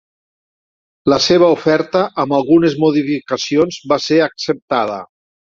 La seva oferta, amb algunes modificacions, va ser acceptada.